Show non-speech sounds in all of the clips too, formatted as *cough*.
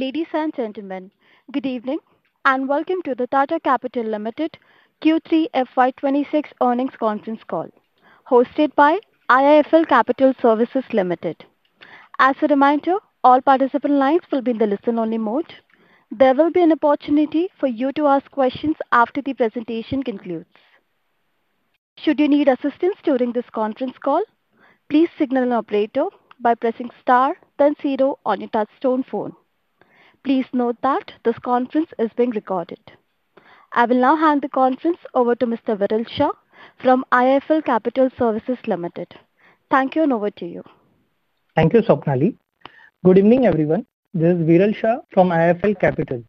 Ladies and gentlemen, good evening and welcome to the Tata Capital Limited Q3 FY 2026 earnings conference call, hosted by IIFL Capital Services Limited. As a reminder, all participant lines will be in the listen-only mode. There will be an opportunity for you to ask questions after the presentation concludes. Should you need assistance during this conference call, please signal an operator by pressing star then zero on your touch-tone phone. Please note that this conference is being recorded. I will now hand the conference over to Mr. Viral Shah from IIFL Capital Services Limited. Thank you and over to you. Thank you, Swapnali. Good evening, everyone. This is Viral Shah from IIFL Capital.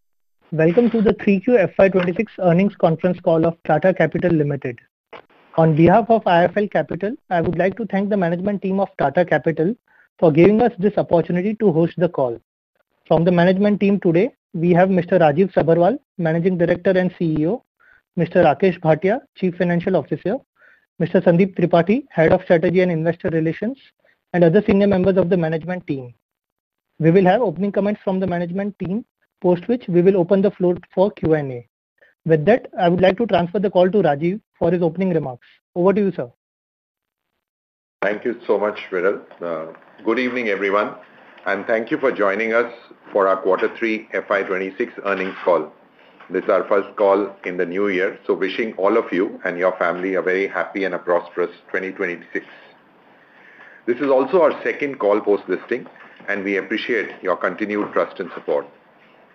Welcome to the 3Q FY 2026 earnings conference call of Tata Capital Limited. On behalf of IIFL Capital, I would like to thank the management team of Tata Capital for giving us this opportunity to host the call. From the management team today, we have Mr. Rajiv Sabharwal, Managing Director and CEO. Mr. Rakesh Bhatia, Chief Financial Officer. Mr. Sandeep Tripathi, Head of Strategy and Investor Relations. And other senior members of the management team. We will have opening comments from the management team, post which we will open the floor for Q&A. With that, I would like to transfer the call to Rajiv for his opening remarks. Over to you, sir. Thank you so much, Viral. Good evening, everyone, and thank you for joining us for our Quarter 3 FY 2026 earnings call. This is our first call in the new year, so wishing all of you and your family a very happy and a prosperous 2026. This is also our second call post listing, and we appreciate your continued trust and support.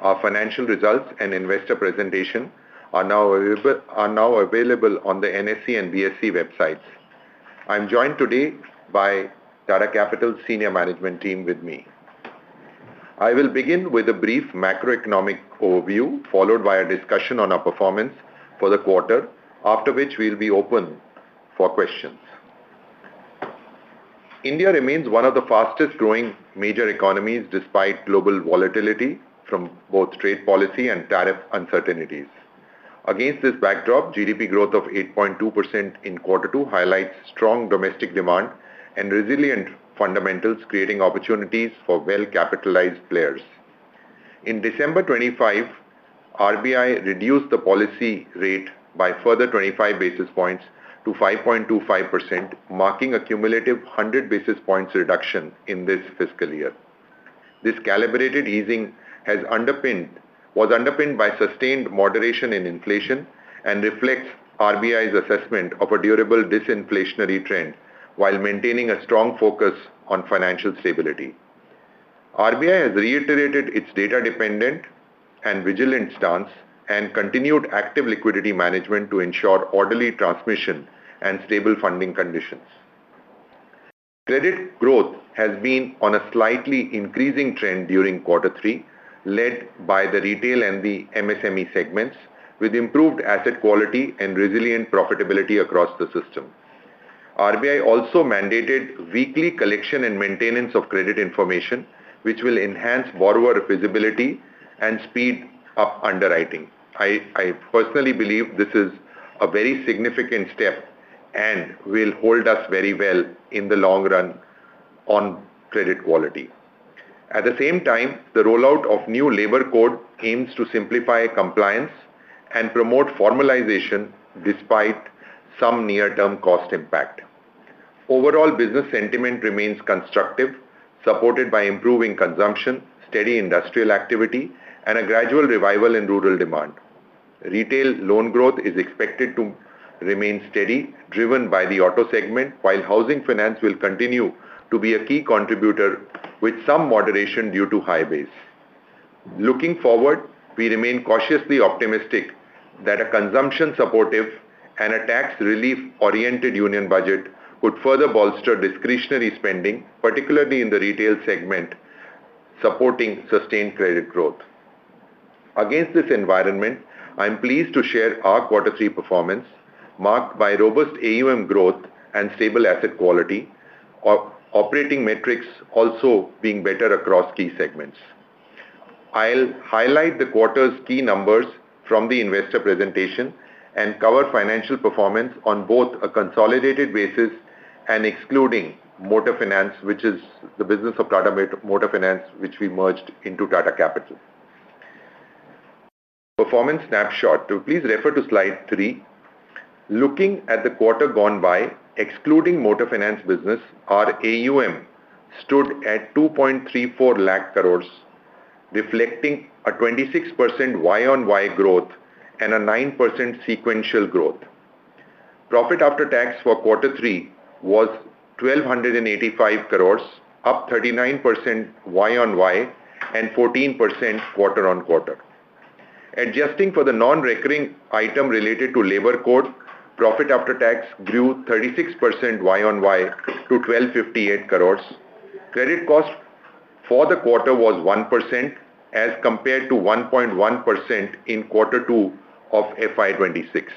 Our financial results and investor presentation are now available on the NSE and BSE websites. I'm joined today by Tata Capital's senior management team with me. I will begin with a brief macroeconomic overview, followed by a discussion on our performance for the quarter, after which we'll be open for questions. India remains one of the fastest-growing major economies despite global volatility from both trade policy and tariff uncertainties. Against this backdrop, GDP growth of 8.2% in quarter two highlights strong domestic demand and resilient fundamentals, creating opportunities for well-capitalized players. In December 2025, RBI reduced the policy rate by further 25 basis points to 5.25%, marking a cumulative 100 basis points reduction in this fiscal year. This calibrated easing was underpinned by sustained moderation in inflation and reflects RBI's assessment of a durable disinflationary trend while maintaining a strong focus on financial stability. RBI has reiterated its data-dependent and vigilant stance and continued active liquidity management to ensure orderly transmission and stable funding conditions. Credit growth has been on a slightly increasing trend during quarter three, led by the retail and the MSME segments, with improved asset quality and resilient profitability across the system. RBI also mandated weekly collection and maintenance of credit information, which will enhance borrower feasibility and speed up underwriting. I personally believe this is a very significant step and will hold us very well in the long run on credit quality. At the same time, the rollout of new labor code aims to simplify compliance and promote formalization despite some near-term cost impact. Overall, business sentiment remains constructive, supported by improving consumption, steady industrial activity, and a gradual revival in rural demand. Retail loan growth is expected to remain steady, driven by the auto segment, while housing finance will continue to be a key contributor with some moderation due to high base. Looking forward, we remain cautiously optimistic that a consumption-supportive and a tax relief-oriented Union Budget would further bolster discretionary spending, particularly in the retail segment, supporting sustained credit growth. Against this environment, I'm pleased to share our quarter three performance, marked by robust AUM growth and stable asset quality, operating metrics also being better across key segments. I'll highlight the quarter's key numbers from the investor presentation and cover financial performance on both a consolidated basis and excluding Motor Finance, which is the business of Tata Motor Finance, which we merged into Tata Capital. Performance snapshot, please refer to slide 3. Looking at the quarter gone by, excluding Motor Finance business, our AUM stood at 2.34 lakh crores, reflecting a 26% Y-on-Y growth and a 9% sequential growth. Profit after tax for quarter three was 1,285 crores, up 39% Y-on-Y and 14% quarter-on-quarter. Adjusting for the non-recurring item related to labor code, profit after tax grew 36% Y-on-Y to 1,258 crores. Credit cost for the quarter was 1% as compared to 1.1% in quarter two of FY 2026.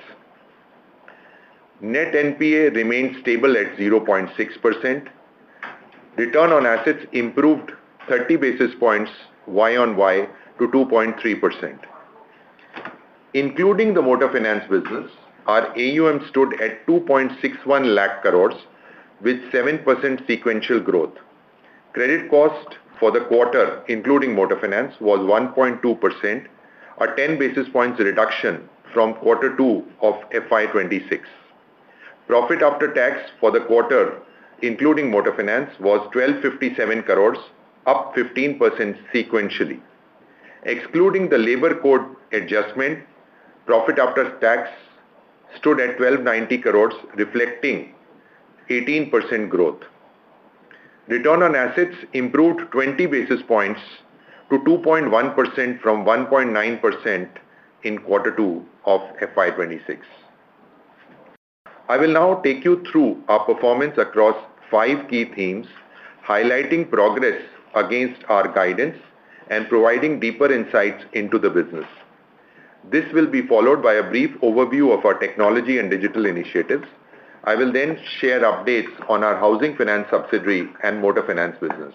Net NPA remained stable at 0.6%. Return on assets improved 30 basis points Y-on-Y to 2.3%. Including the Motor Finance business, our AUM stood at 2.61 lakh crores, with 7% sequential growth. Credit cost for the quarter, including Motor Finance, was 1.2%, a 10 basis points reduction from quarter two of FY 2026. Profit after tax for the quarter, including Motor Finance, was 1,257 crores, up 15% sequentially. Excluding the labor code adjustment, profit after tax stood at 1,290 crores, reflecting 18% growth. Return on assets improved 20 basis points to 2.1% from 1.9% in quarter two of FY 2026. I will now take you through our performance across five key themes, highlighting progress against our guidance and providing deeper insights into the business. This will be followed by a brief overview of our technology and digital initiatives. I will then share updates on our housing finance subsidiary and Motor Finance business.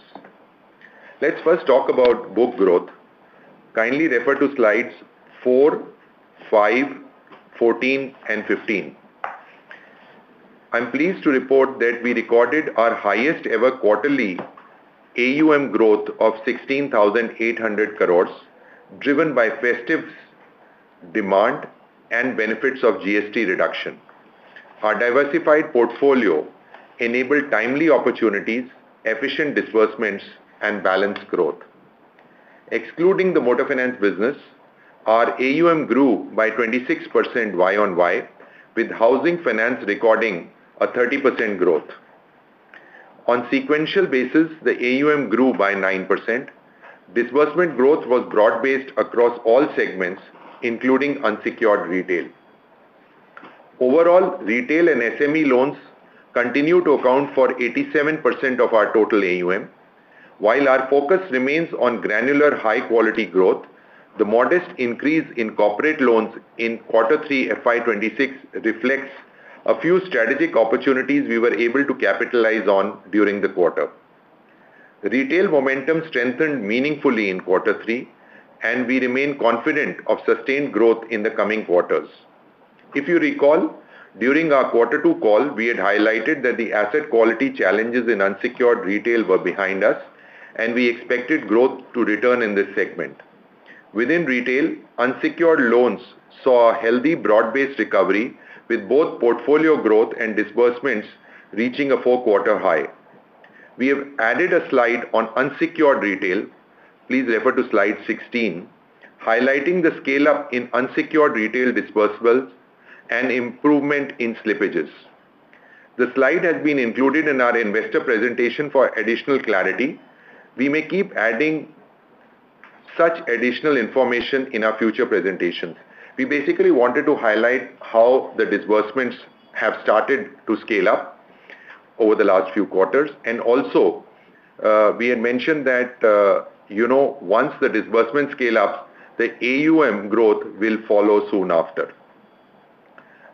Let's first talk about book growth. Kindly refer to slides 4, 5, 14, and 15. I'm pleased to report that we recorded our highest-ever quarterly AUM growth of 16,800 crores, driven by festive demand and benefits of GST reduction. Our diversified portfolio enabled timely opportunities, efficient disbursements, and balanced growth. Excluding the Motor Finance business, our AUM grew by 26% Y-on-Y, with housing finance recording a 30% growth. On a sequential basis, the AUM grew by 9%. Disbursement growth was broad-based across all segments, including unsecured retail. Overall, retail and SME loans continue to account for 87% of our total AUM. While our focus remains on granular high-quality growth, the modest increase in corporate loans in quarter three FY 2026 reflects a few strategic opportunities we were able to capitalize on during the quarter. Retail momentum strengthened meaningfully in quarter, and we remain confident of sustained growth in the coming quarters. If you recall, during our quarter two call, we had highlighted that the asset quality challenges in unsecured retail were behind us, and we expected growth to return in this segment. Within retail, unsecured loans saw a healthy broad-based recovery, with both portfolio growth and disbursements reaching a four-quarter high. We have added a slide on unsecured retail. Please refer to slide 16, highlighting the scale-up in unsecured retail disbursables and improvement in slippages. The slide has been included in our investor presentation for additional clarity. We may keep adding such additional information in our future presentations. We basically wanted to highlight how the disbursements have started to scale up over the last few quarters. Also, we had mentioned that once the disbursements scale up, the AUM growth will follow soon after.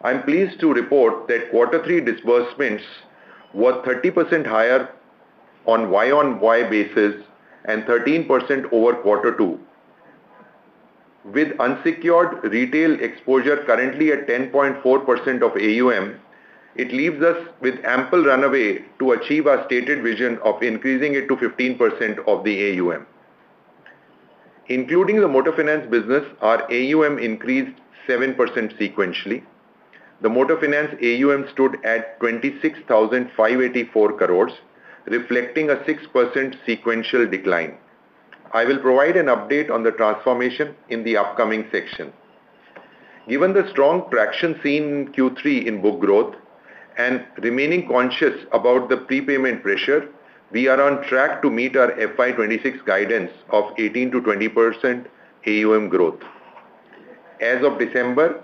I'm pleased to report that quarter three disbursements were 30% higher on Y-on-Y basis and 13% over quarter two. With unsecured retail exposure currently at 10.4% of AUM, it leaves us with ample runway to achieve our stated vision of increasing it to 15% of the AUM. Including the Motor Finance business, our AUM increased 7% sequentially. The Motor Finance AUM stood at 26,584 crores, reflecting a 6% sequential decline. I will provide an update on the transformation in the upcoming section. Given the strong traction seen in Q3 in book growth and remaining conscious about the prepayment pressure, we are on track to meet our FY 2026 guidance of 18% to 20% AUM growth. As of December,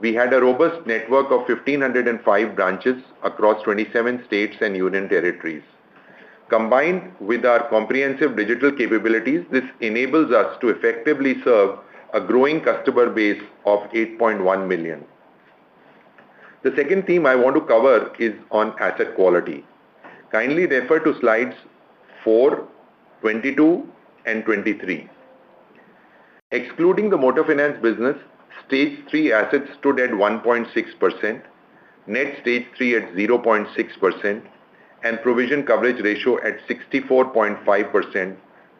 we had a robust network of 1,505 branches across 27 states and union territories. Combined with our comprehensive digital capabilities, this enables us to effectively serve a growing customer base of 8.1 million. The second theme I want to cover is on asset quality. Kindly refer to slides 4, 22, and 23. Excluding the Motor Finance business, Stage 3 assets stood at 1.6%, net Stage 3 at 0.6%, and provision coverage ratio at 64.5%,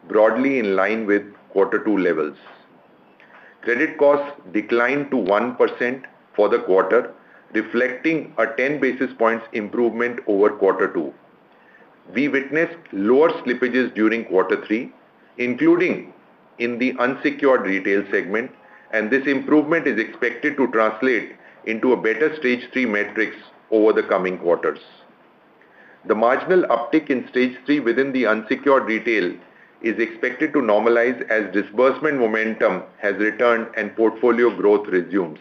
broadly in line with quarter two levels. Credit costs declined to 1% for the quarter, reflecting a 10 basis points improvement over quarter two. We witnessed lower slippages during quarter 3, including in the unsecured retail segment, and this improvement is expected to translate into a better Stage 3 metrics over the coming quarters. The marginal uptick in Stage 3 within the unsecured retail is expected to normalize as disbursement momentum has returned and portfolio growth resumes.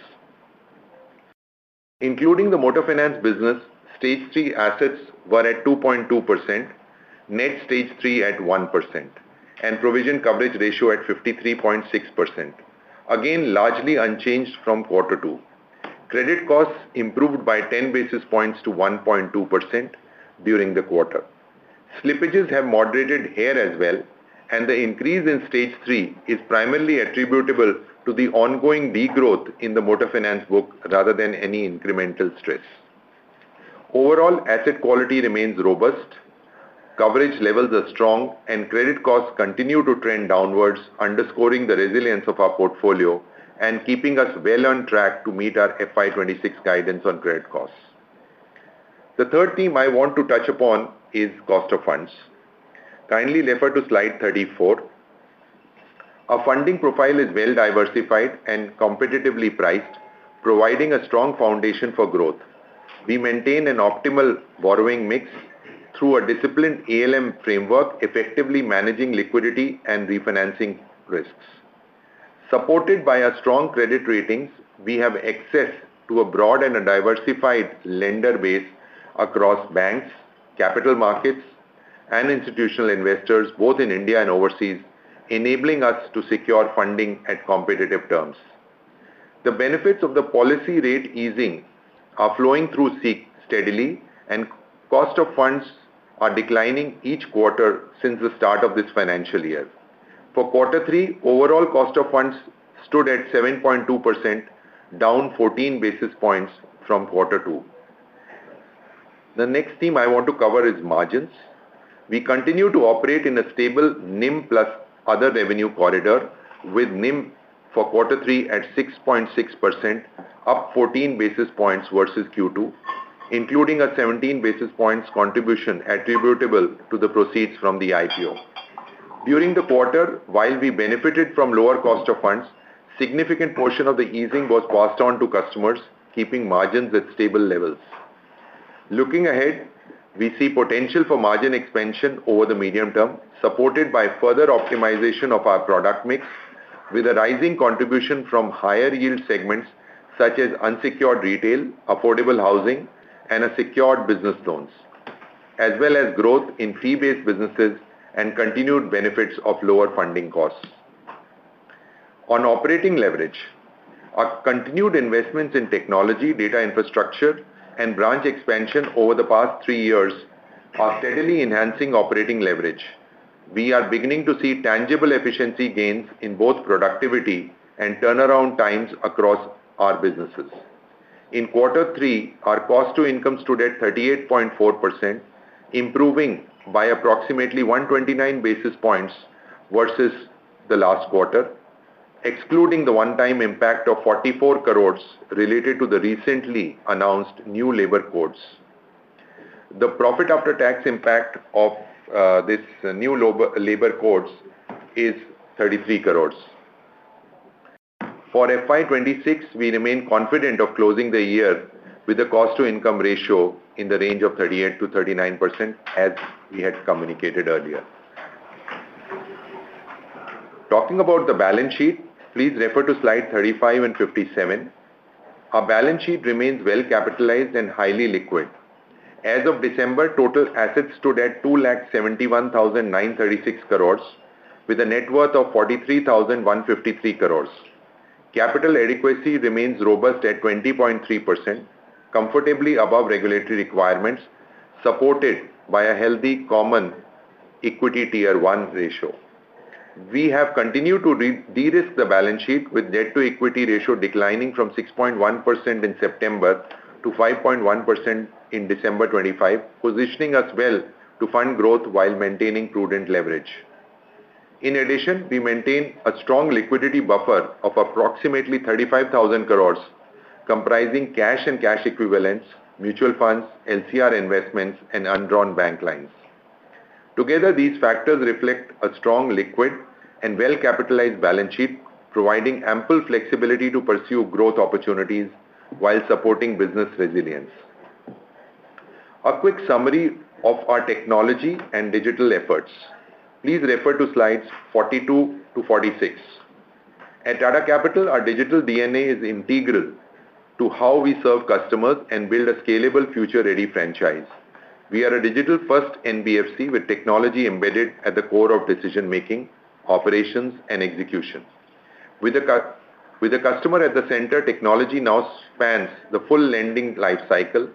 Including the Motor Finance business, Stage 3 assets were at 2.2%, net Stage 3 at 1%, and provision coverage ratio at 53.6%, again largely unchanged from quarter two. Credit costs improved by 10 basis points to 1.2% during the quarter. Slippages have moderated here as well, and the increase in Stage 3 is primarily attributable to the ongoing degrowth in the Motor Finance book rather than any incremental stress. Overall, asset quality remains robust, coverage levels are strong, and credit costs continue to trend downwards, underscoring the resilience of our portfolio and keeping us well on track to meet our FY 2026 guidance on credit costs. The third theme I want to touch upon is cost of funds. Kindly refer to slide 34. Our funding profile is well-diversified and competitively priced, providing a strong foundation for growth. We maintain an optimal borrowing mix through a disciplined ALM framework, effectively managing liquidity and refinancing risks. Supported by our strong credit ratings, we have access to a broad and diversified lender base across banks, capital markets, and institutional investors, both in India and overseas, enabling us to secure funding at competitive terms. The benefits of the policy rate easing are flowing through steadily, and cost of funds are declining each quarter since the start of this financial year. For quarter three, overall cost of funds stood at 7.2%, down 14 basis points from quarter two. The next theme I want to cover is margins. We continue to operate in a stable NIM plus other revenue corridor, with NIM for quarter three at 6.6%, up 14 basis points versus Q2, including a 17 basis points contribution attributable to the proceeds from the IPO. During the quarter, while we benefited from lower cost of funds, a significant portion of the easing was passed on to customers, keeping margins at stable levels. Looking ahead, we see potential for margin expansion over the medium term, supported by further optimization of our product mix, with a rising contribution from higher yield segments such as unsecured retail, affordable housing, and secured business loans, as well as growth in fee-based businesses and continued benefits of lower funding costs. On operating leverage, our continued investments in technology, data infrastructure, and branch expansion over the past three years are steadily enhancing operating leverage. We are beginning to see tangible efficiency gains in both productivity and turnaround times across our businesses. In quarter three, our cost-to-income stood at 38.4%, improving by approximately 129 basis points versus the last quarter, excluding the one-time impact of 44 crores related to the recently announced new labor codes. The profit after tax impact of this new labor codes is 33 crores. For FY 2026, we remain confident of closing the year with a cost-to-income ratio in the range of 38%-39%, as we had communicated earlier. Talking about the balance sheet, please refer to slide 35 and 57. Our balance sheet remains well-capitalized and highly liquid. As of December, total assets stood at 271,936 crores, with a net worth of 43,153 crores. Capital adequacy remains robust at 20.3%, comfortably above regulatory requirements, supported by a healthy common equity Tier 1 ratio. We have continued to de-risk the balance sheet, with debt-to-equity ratio declining from 6.1% in September to 5.1% in December 2025, positioning us well to fund growth while maintaining prudent leverage. In addition, we maintain a strong liquidity buffer of approximately 35,000 crores, comprising cash and cash equivalents, mutual funds, LCR investments, and undrawn bank lines. Together, these factors reflect a strong, liquid, and well-capitalized balance sheet, providing ample flexibility to pursue growth opportunities while supporting business resilience. A quick summary of our technology and digital efforts. Please refer to slides 42 to 46. At Tata Capital, our digital DNA is integral to how we serve customers and build a scalable, future-ready franchise. We are a digital-first NBFC with technology embedded at the core of decision-making, operations, and execution. With the customer at the center, technology now spans the full lending life cycle.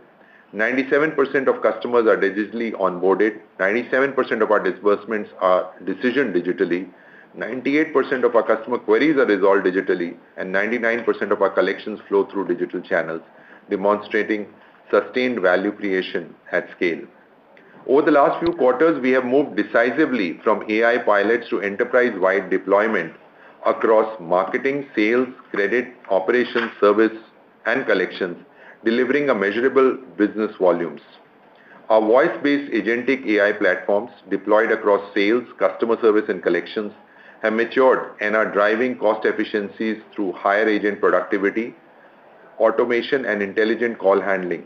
97% of customers are digitally onboarded. 97% of our disbursements are digitally decided. 98% of our customer queries are resolved digitally, and 99% of our collections flow through digital channels, demonstrating sustained value creation at scale. Over the last few quarters, we have moved decisively from AI pilots to enterprise-wide deployment across marketing, sales, credit, operations, service, and collections, delivering measurable business volumes. Our voice-based Agentic AI platforms deployed across sales, customer service, and collections have matured and are driving cost efficiencies through higher agent productivity, automation, and intelligent call handling.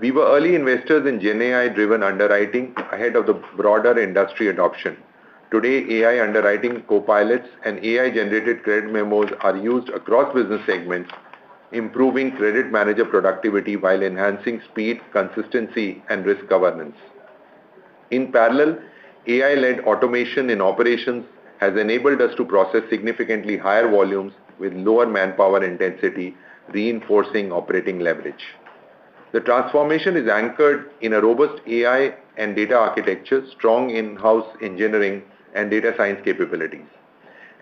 We were early investors in GenAI-driven underwriting ahead of the broader industry adoption. Today, AI underwriting co-pilots and AI-generated credit memos are used across business segments, improving credit manager productivity while enhancing speed, consistency, and risk governance. In parallel, AI-led automation in operations has enabled us to process significantly higher volumes with lower manpower intensity, reinforcing operating leverage. The transformation is anchored in a robust AI and data architecture, strong in-house engineering and data science capabilities,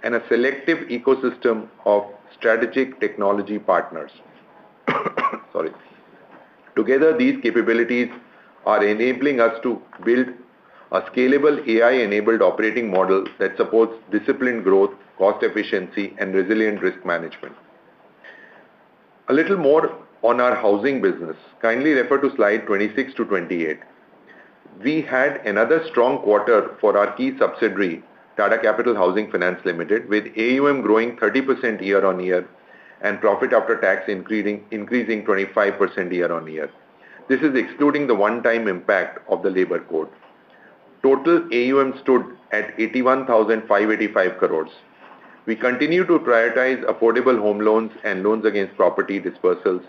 and a selective ecosystem of strategic technology partners. Together, these capabilities are enabling us to build a scalable AI-enabled operating model that supports disciplined growth, cost efficiency, and resilient risk management. A little more on our housing business. Kindly refer to slide 26-28. We had another strong quarter for our key subsidiary, Tata Capital Housing Finance Limited, with AUM growing 30% year-on-year and profit after tax increasing 25% year-on-year. This is excluding the one-time impact of the labor code. Total AUM stood at 81,585 crores. We continue to prioritize affordable home loans and loans against property disbursals,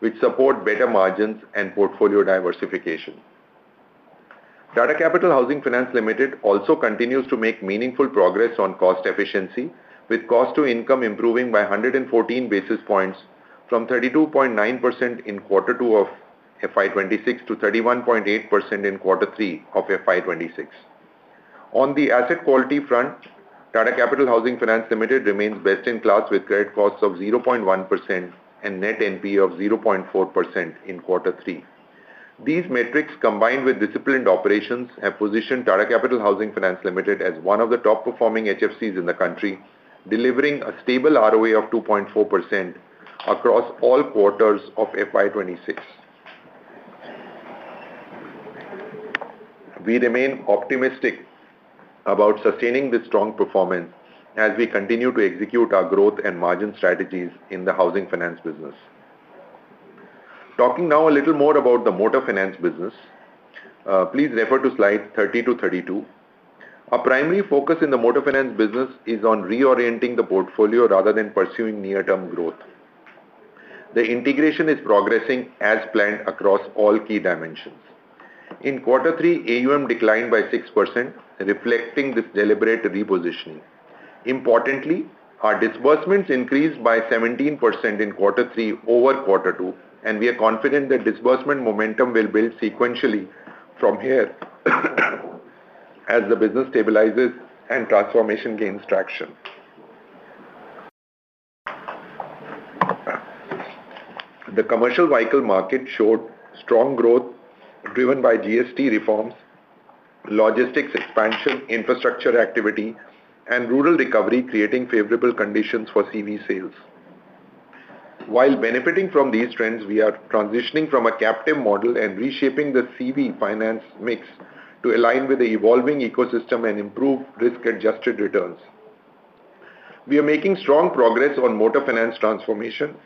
which support better margins and portfolio diversification. Tata Capital Housing Finance Limited also continues to make meaningful progress on cost efficiency, with cost-to-income improving by 114 basis points from 32.9% in quarter two of FY 2026 to 31.8% in quarter three of FY 2026. On the asset quality front, Tata Capital Housing Finance Limited remains best in class with credit costs of 0.1% and net NPA of 0.4% in quarter three. These metrics, combined with disciplined operations, have positioned Tata Capital Housing Finance Limited as one of the top-performing HFCs in the country, delivering a stable ROA of 2.4% across all quarters of FY 2026. We remain optimistic about sustaining this strong performance as we continue to execute our growth and margin strategies in the housing finance business. Talking now a little more about the Motor Finance business, please refer to slide 30-32. Our primary focus in the Motor Finance business is on reorienting the portfolio rather than pursuing near-term growth. The integration is progressing as planned across all key dimensions. In quarter three, AUM declined by 6%, reflecting this deliberate repositioning. Importantly, our disbursements increased by 17% in quarter three over quarter two, and we are confident that disbursement momentum will build sequentially from here as the business stabilizes and transformation gains traction. The commercial vehicle market showed strong growth driven by GST reforms, logistics expansion, infrastructure activity, and rural recovery, creating favorable conditions for CV sales. While benefiting from these trends, we are transitioning from a captive model and reshaping the CV finance mix to align with the evolving ecosystem and improve risk-adjusted returns. We are making strong progress on Motor Finance transformation.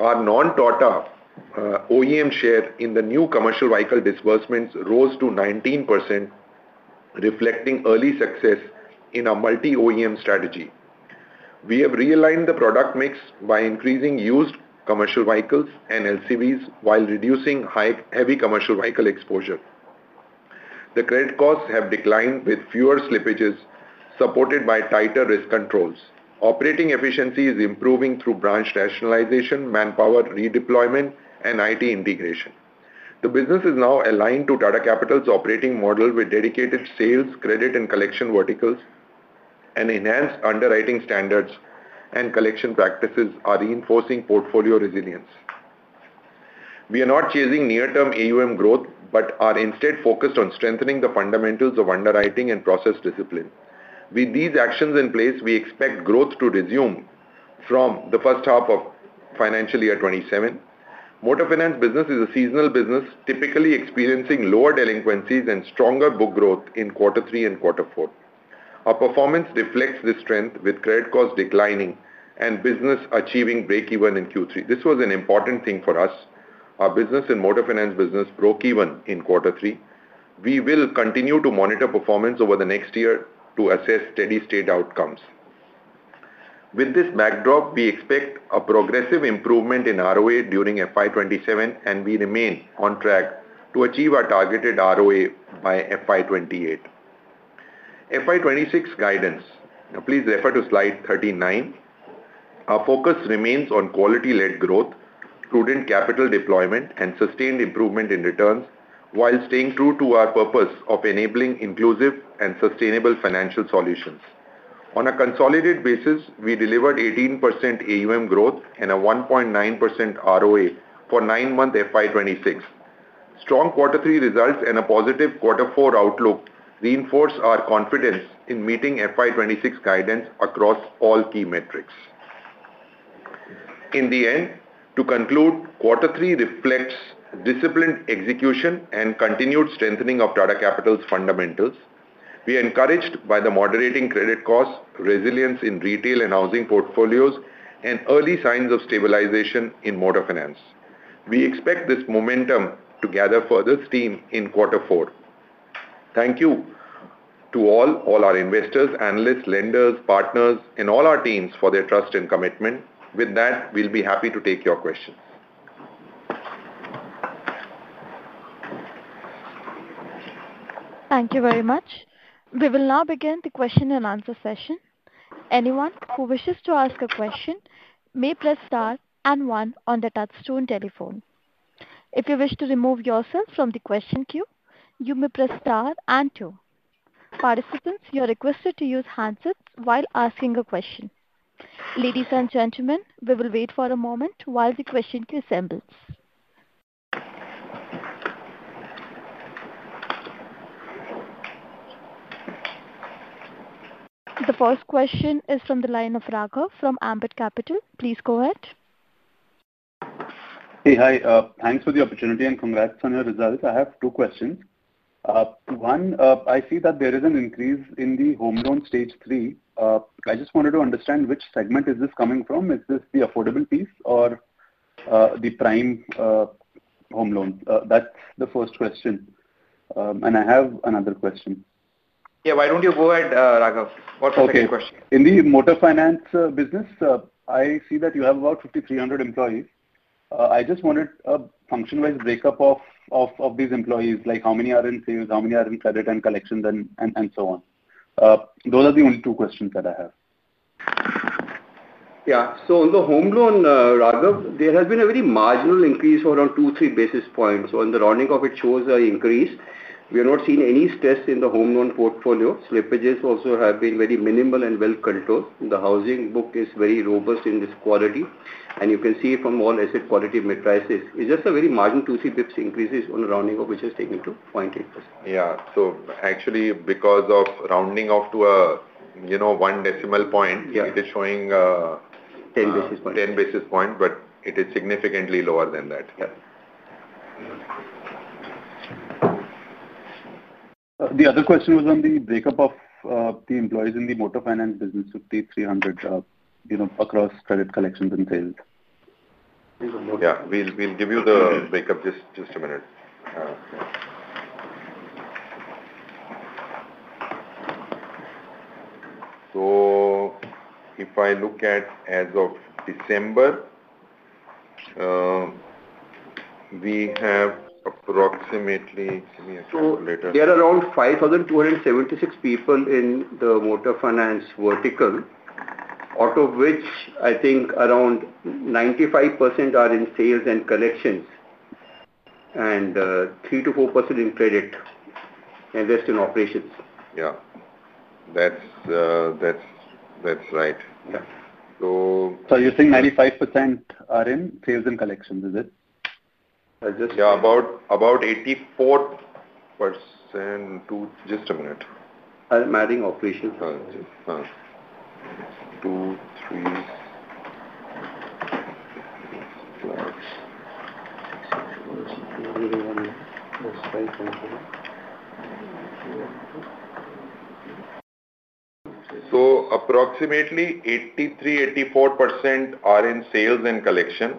Our non-Tata OEM share in the new commercial vehicle disbursements rose to 19%, reflecting early success in our multi-OEM strategy. We have realigned the product mix by increasing used commercial vehicles and LCVs while reducing heavy commercial vehicle exposure. The credit costs have declined with fewer slippages, supported by tighter risk controls. Operating efficiency is improving through branch rationalization, manpower redeployment, and IT integration. The business is now aligned to Tata Capital's operating model with dedicated sales, credit, and collection verticals, and enhanced underwriting standards and collection practices, reinforcing portfolio resilience. We are not chasing near-term AUM growth but are instead focused on strengthening the fundamentals of underwriting and process discipline. With these actions in place, we expect growth to resume from the first half of financial year 2027. Motor finance business is a seasonal business, typically experiencing lower delinquencies and stronger book growth in quarter three and quarter four. Our performance reflects this strength, with credit costs declining and business achieving break-even in Q3. This was an important thing for us. Our business and Motor Finance business broke even in quarter three. We will continue to monitor performance over the next year to assess steady-state outcomes. With this backdrop, we expect a progressive improvement in ROA during FY 2027, and we remain on track to achieve our targeted ROA by FY 2028. FY 2026 guidance, please refer to slide 39. Our focus remains on quality-led growth, prudent capital deployment, and sustained improvement in returns, while staying true to our purpose of enabling inclusive and sustainable financial solutions. On a consolidated basis, we delivered 18% AUM growth and a 1.9% ROA for nine-month FY 2026. Strong quarter three results and a positive quarter four outlook reinforce our confidence in meeting FY 2026 guidance across all key metrics. In the end, to conclude, quarter three reflects disciplined execution and continued strengthening of Tata Capital's fundamentals. We are encouraged by the moderating credit costs, resilience in retail and housing portfolios, and early signs of stabilization in Motor Finance. We expect this momentum to gather further steam in quarter four. Thank you to all our investors, analysts, lenders, partners, and all our teams for their trust and commitment. With that, we'll be happy to take your questions. Thank you very much. We will now begin the question-and-answer session. Anyone who wishes to ask a question may press star and one on the touch-tone telephone. If you wish to remove yourself from the question queue, you may press star and two. Participants, you are requested to use handsets while asking a question. Ladies and gentlemen, we will wait for a moment while the question queue assembles. The first question is from the line of Raghav from Ambit Capital. Please go ahead. Hey, hi. Thanks for the opportunity and congrats on your result. I have two questions. One, I see that there is an increase in the home loan Stage 3. I just wanted to understand which segment is this coming from? Is this the affordable piece or the prime home loans? That's the first question, and I have another question. Yeah, why don't you go ahead, Raghav? What was your question? In the Motor Finance business, I see that you have about 5,300 employees. I just wanted a function-wise breakup of these employees, like how many are in sales, how many are in credit and collections, and so on. Those are the only two questions that I have. Yeah, so on the home loan, Raghav, there has been a very marginal increase of around 2, 3 basis points. So on the rounding of it, shows an increase. We have not seen any stress in the home loan portfolio. Slippages also have been very minimal and well-controlled. The housing book is very robust in this quality, and you can see from all asset quality metrics. It's just a very marginal 2, 3 basis points increase on the rounding of which has taken to 0.8%. Yeah, so actually, because of rounding off to one decimal point, it is showing 10 basis points. 10 basis points, but it is significantly lower than that. The other question was on the breakup of the employees in the Motor Finance business, 5,300 across credit, collections, and sales. Yeah, we'll give you the breakup just a minute. So if I look at as of December, we have approximately let us. There are around 5,276 people in the Motor Finance vertical, out of which I think around 95% are in sales and collections and 3%-4% in credit and rest in operations. Yeah, that's right. So you're saying 95% are in sales and collections, is it? Yeah, about 84%. Just a minute. I'm adding operations. So approximately 83%-84% are in sales and collection.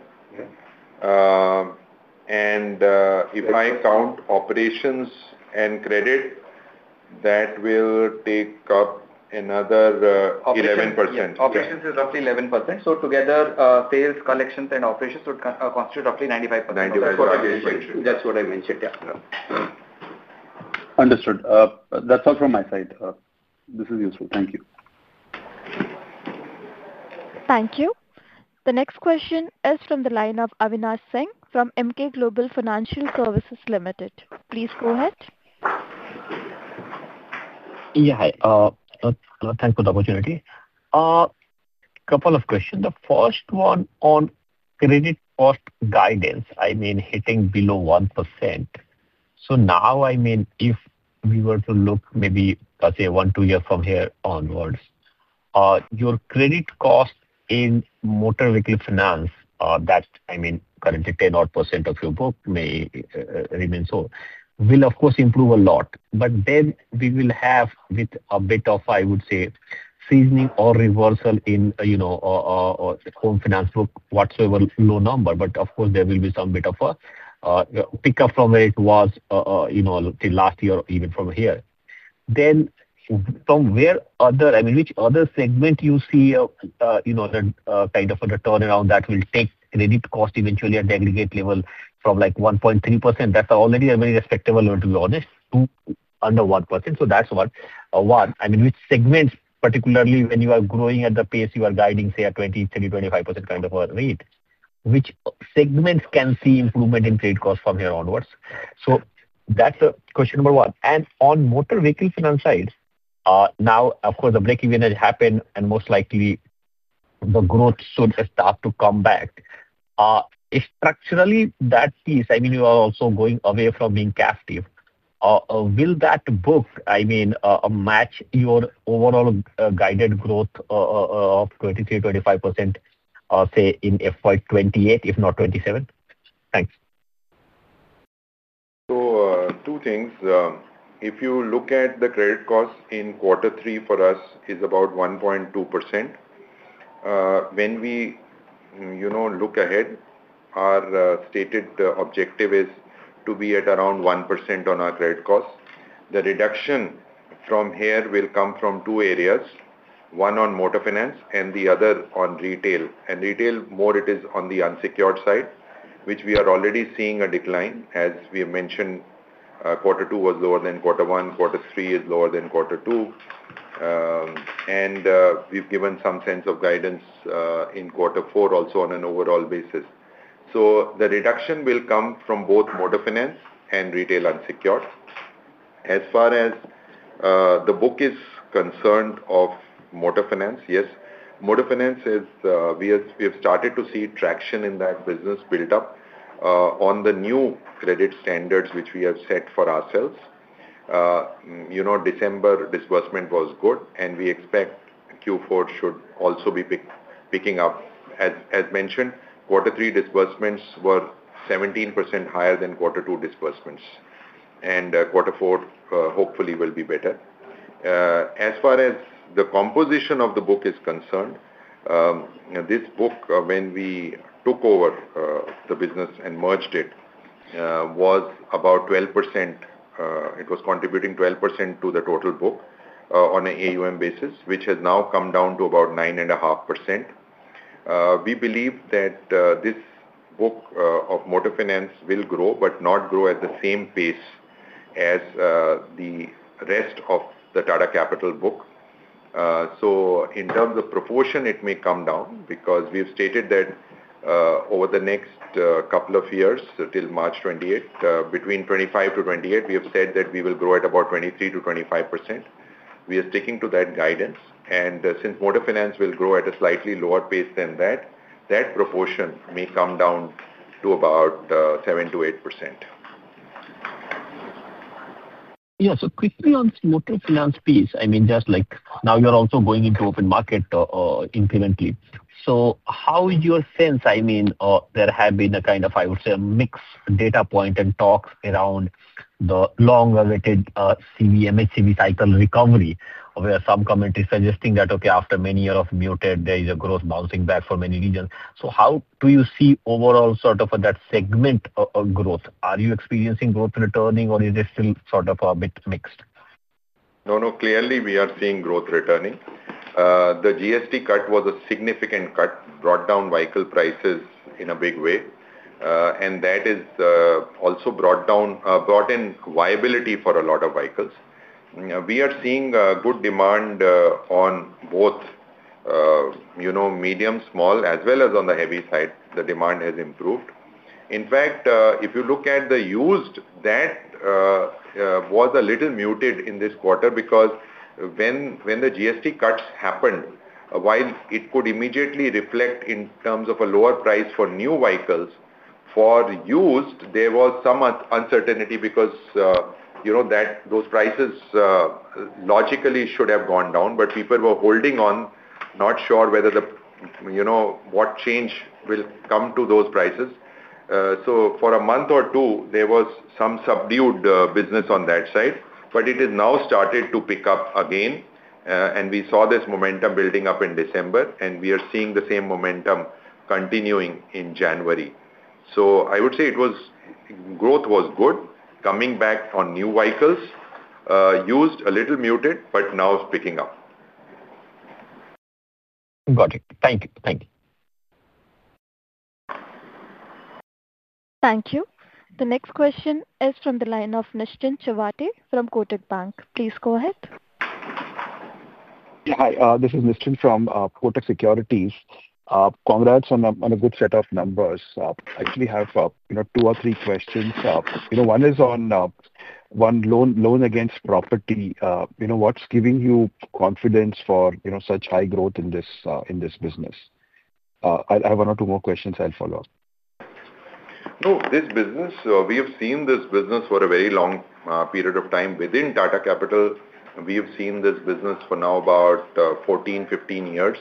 And if I count operations and credit, that will take up another 11%. Operations is roughly 11%. So together, sales, collections, and operations would constitute roughly 95%. That's what I mentioned. Yeah. Understood. That's all from my side. This is useful. Thank you. Thank you. The next question is from the line of Avinash Singh from Emkay Global Financial Services Limited. Please go ahead. Yeah, hi. Thanks for the opportunity. Couple of questions. The first one on credit cost guidance, I mean, hitting below 1%. So now, I mean, if we were to look maybe, let's say, one, two years from here onwards, your credit cost in motor vehicle finance, that I mean, currently 10%-odd of your book may remain so, will of course improve a lot. But then we will have with a bit of, I would say, seasoning or reversal in home finance book, whatsoever, low number. But of course, there will be some bit of a pickup from where it was last year or even from here. Then from where other, I mean, which other segment you see kind of a turnaround that will take credit cost eventually at aggregate level from like 1.3%? That's already a very respectable level to be honest, to under 1%. So that's one. One, I mean, which segments, particularly when you are growing at the pace you are guiding, say, at 20%, 30%, 25% kind of a rate, which segments can see improvement in credit cost from here onwards? So that's question number one. And on motor vehicle finance side, now, of course, the break-even has happened, and most likely the growth should start to come back. Structurally, that piece, I mean, you are also going away from being captive. Will that book, I mean, match your overall guided growth of 23%-25%, say, in FY 2028, if not 2027? Thanks. So two things. If you look at the credit cost in quarter three for us, it's about 1.2%. When we look ahead, our stated objective is to be at around 1% on our credit cost. The reduction from here will come from two areas, one on Motor Finance and the other on retail. And retail, more it is on the unsecured side, which we are already seeing a decline. As we mentioned, quarter two was lower than quarter one. Quarter three is lower than quarter two. And we've given some sense of guidance in quarter four also on an overall basis. So the reduction will come from both Motor Finance and retail unsecured. As far as the book is concerned of Motor Finance, yes, Motor Finance, we have started to see traction in that business buildup on the new credit standards which we have set for ourselves. December disbursement was good, and we expect Q4 should also be picking up. As mentioned, quarter three disbursements were 17% higher than quarter two disbursements, and quarter four, hopefully, will be better. As far as the composition of the book is concerned, this book, when we took over the business and merged it, was about 12%. It was contributing 12% to the total book on an AUM basis, which has now come down to about 9.5%. We believe that this book of Motor Finance will grow, but not grow at the same pace as the rest of the Tata Capital book. So in terms of proportion, it may come down because we've stated that over the next couple of years, till March 2028, between 2025 to 2028, we have said that we will grow at about 23%-25%. We are sticking to that guidance. And since Motor Finance will grow at a slightly lower pace than that, that proportion may come down to about 7%-8%. Yeah, so quickly on this Motor Finance piece, I mean, just like now you're also going into open market incrementally. So how is your sense? I mean, there have been a kind of, I would say, a mixed data point and talk around the long-awaited CV/MHCV cycle recovery, where some comment is suggesting that, okay, after many years of muted, there is a growth bouncing back for many reasons. So how do you see overall sort of that segment growth? Are you experiencing growth returning, or is it still sort of a bit mixed? No, no, clearly we are seeing growth returning. The GST cut was a significant cut, brought down vehicle prices in a big way. And that has also brought in viability for a lot of vehicles. We are seeing good demand on both medium, small, as well as on the heavy side. The demand has improved. In fact, if you look at the used, that was a little muted in this quarter because when the GST cuts happened, while it could immediately reflect in terms of a lower price for new vehicles, for used, there was some uncertainty because those prices logically should have gone down, but people were holding on, not sure what change will come to those prices. So for a month or two, there was some subdued business on that side, but it has now started to pick up again. And we saw this momentum building up in December, and we are seeing the same momentum continuing in January. So I would say growth was good, coming back on new vehicles, used a little muted, but now is picking up. Got it. Thank you. Thank you. Thank you. The next question is from the line of Nischint Chawathe from Kotak Bank. Please go ahead. Yeah, hi. This is Nischint from Kotak Securities. Congrats on a good set of numbers. I actually have two or three questions. One is on loan against property. What's giving you confidence for such high growth in this business? I have one or two more questions I'll follow up. No, this business, we have seen this business for a very long period of time. Within Tata Capital, we have seen this business for now about 14, 15 years.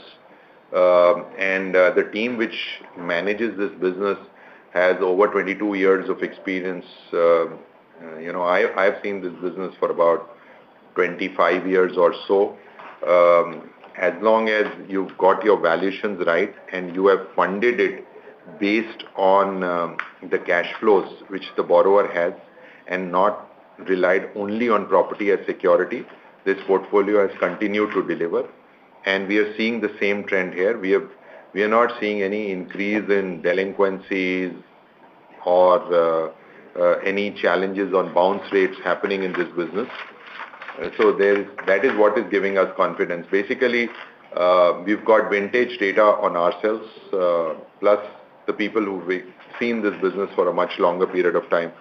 And the team which manages this business has over 22 years of experience. I have seen this business for about 25 years or so. As long as you've got your valuations right and you have funded it based on the cash flows which the borrower has and not relied only on property as security, this portfolio has continued to deliver. And we are seeing the same trend here. We are not seeing any increase in delinquencies or any challenges on bounce rates happening in this business. So that is what is giving us confidence. Basically, we've got vintage data on ourselves, plus the people who have seen this business for a much longer period of time.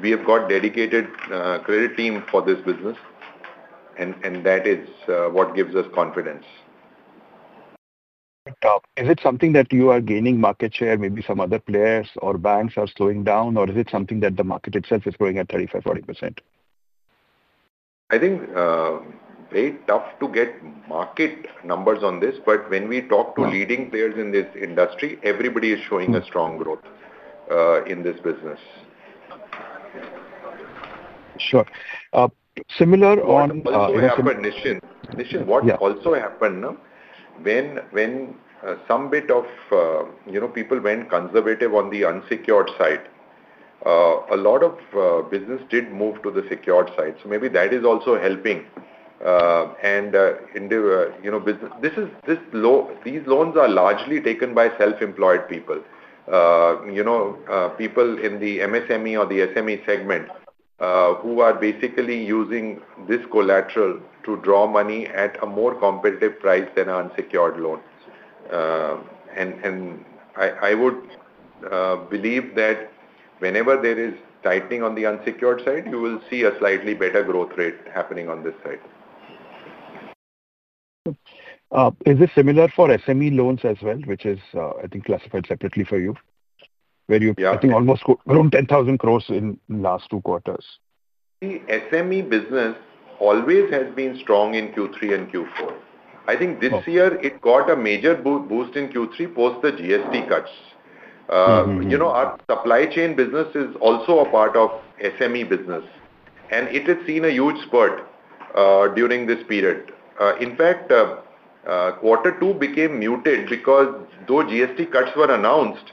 We have got dedicated credit team for this business, and that is what gives us confidence. Is it something that you are gaining market share? Maybe some other players or banks are slowing down, or is it something that the market itself is growing at 35%-40%? I think very tough to get market numbers on this, but when we talk to leading players in this industry, everybody is showing a strong growth in this business. Sure. Similar on. Nischint, what also happened now? When some bit of people went conservative on the unsecured side, a lot of business did move to the secured side. So maybe that is also helping. And these loans are largely taken by self-employed people, people in the MSME or the SME segment who are basically using this collateral to draw money at a more competitive price than an unsecured loan. And I would believe that whenever there is tightening on the unsecured side, you will see a slightly better growth rate happening on this side. Is it similar for SME loans as well, which is, I think, classified separately for you, where you, I think, almost grew 10,000 crores in the last two quarters? The SME business always has been strong in Q3 and Q4. I think this year it got a major boost in Q3 post the GST cuts. Our supply chain business is also a part of SME business, and it has seen a huge spurt during this period. In fact, quarter two became muted because though GST cuts were announced,